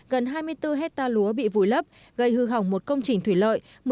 gần hai mươi bốn hectare lúa bị vùi lấp gây hư hỏng một công trình thủy lợi